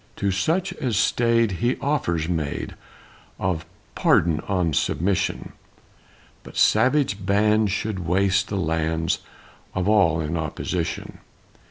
To such as stayed he offers made Of "pardon on submission; But savage bands should waste the lands Of all in opposition."